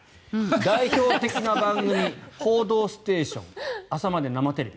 代表的な番組「報道ステーション」「朝まで生テレビ！」。